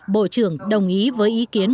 bộ trưởng đồng ý với ý kiến